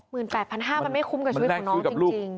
๑๘๕๐๐มันไม่คุ้มกับชีวิตของน้องจริง